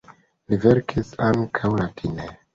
Li verkis ankaŭ latine.